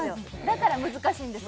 だから難しいんです